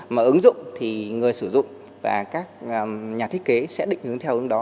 mà ứng dụng thì người sử dụng và các nhà thiết kế sẽ định hướng theo ứng đó